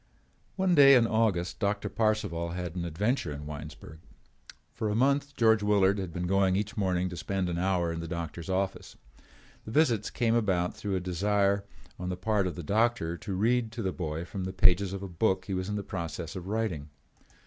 One day in August Doctor Parcival had an adventure in Winesburg. For a month George Willard had been going each morning to spend an hour in the doctor's office. The visits came about through a desire on the part of the doctor to read to the boy from the pages of a book he was in the process of writing.